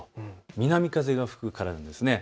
南風が吹くからなんです。